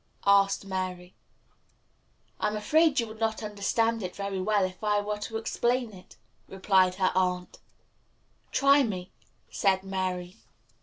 asked Mary. "I am afraid you would not understand it very well if I were to explain it," replied her aunt. "Try me," said Mary.